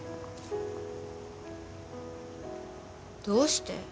どうして？